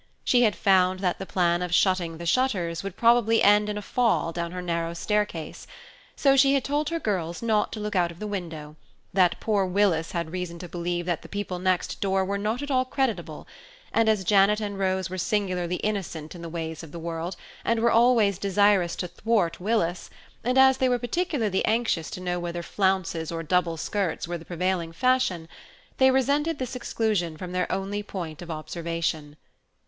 She had found that the plan of shutting her shutters would probably end in a fall down her narrow staircase, so she had told her girls not to look out of the window, that poor Willis had reason to believe that the people next door were not at all creditable; and as Janet and Rose were singularly innocent in the ways of the world, and were always desirous to thwart Willis, and as they were particularly anxious to know whether flounces or double skirts were the prevailing fashion, they resented this exclusion from their only point of observation.